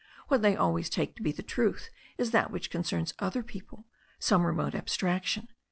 What they always take to be the truth is that which concerns other people, some remote abstraction.